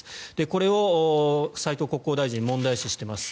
これを斉藤国交大臣は問題視しています。